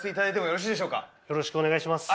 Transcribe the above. よろしくお願いします。